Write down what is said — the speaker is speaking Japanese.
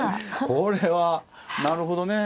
これはなるほどね。